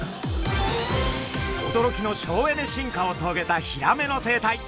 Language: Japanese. おどろきの省エネ進化をとげたヒラメの生態。